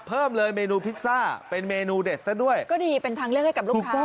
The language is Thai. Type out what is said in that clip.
เพิ่มเลยเมนูพิซซ่าเป็นเมนูเด็ดซะด้วยก็ดีเป็นทางเลือกให้กับลูกค้า